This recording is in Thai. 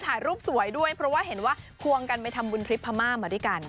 ถ่ายรูปสวยด้วยเพราะว่าเห็นว่าควงกันไปทำบุญทริปพม่ามาด้วยกัน